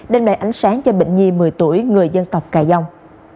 đơn bề ánh sáng cho bệnh nhi một mươi tuổi người dân tộc cà dông